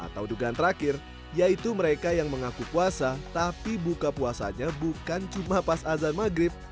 atau dugaan terakhir yaitu mereka yang mengaku puasa tapi buka puasanya bukan cuma pas azan maghrib